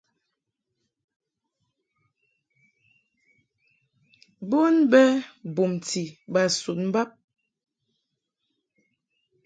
Bon bɛ bumti bas un bab.